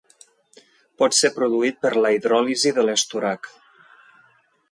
Pot ser produït per la hidròlisi de l'estorac.